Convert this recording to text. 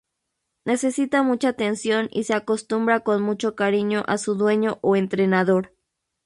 Necesita mucha atención y se acostumbra con mucho cariño a su dueño o entrenador.